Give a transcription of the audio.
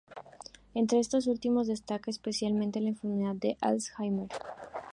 Entre estos últimos, destaca especialmente la enfermedad de Alzheimer.